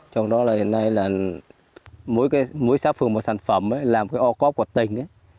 trong đó là hiện nay mỗi xã phường một sản phẩm làm cái o cóp của tỉnh